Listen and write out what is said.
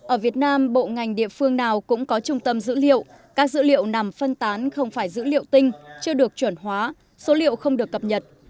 ở việt nam bộ ngành địa phương nào cũng có trung tâm dữ liệu các dữ liệu nằm phân tán không phải dữ liệu tinh chưa được chuẩn hóa số liệu không được cập nhật